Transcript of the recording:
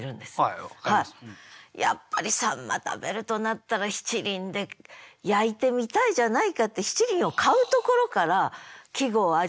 やっぱり秋刀魚食べるとなったら七輪で焼いてみたいじゃないかって七輪を買うところから季語を味わおうとする。